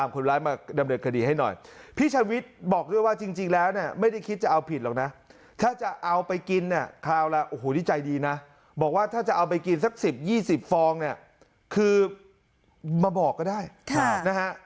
กินสัก๑๐๒๐ฟองเนี่ยคือมาบอกก็ได้นะฮะ